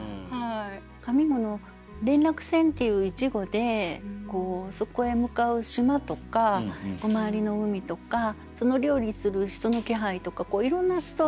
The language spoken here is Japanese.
上五の「連絡船」っていう一語でそこへ向かう島とか周りの海とか乗り降りする人の気配とかいろんなストーリー